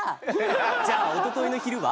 じゃあおとといの昼は？